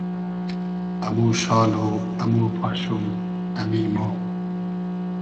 امو شال و امو پاشوم ، امی مۉ